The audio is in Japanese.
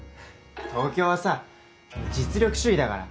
東京はさ実力主義だから。